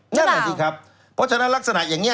นั่นแหละสิครับเพราะฉะนั้นลักษณะอย่างนี้